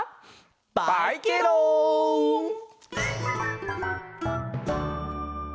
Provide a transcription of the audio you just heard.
バイケロん！